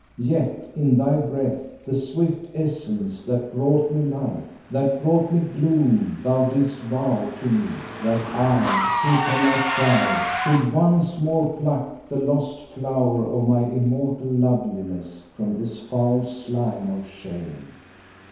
Yet in thy breath, the swift essence that brought me light, that brought me gloom, thou didst vow to me that I who cannot die should once more pluck the lost flower of my immortal loveliness from this foul slime of shame.